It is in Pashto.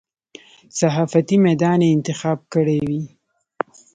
صحافتي میدان یې انتخاب کړی وي.